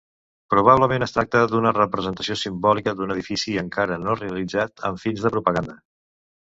Probablement es tracta d'una representació simbòlica d'un edifici encara no realitzat, amb fins de propaganda.